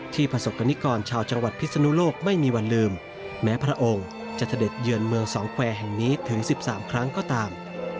ประสบกรณิกรชาวจังหวัดพิศนุโลกไม่มีวันลืมแม้พระองค์จะเสด็จเยือนเมืองสองแควร์แห่งนี้ถึง๑๓ครั้งก็ตาม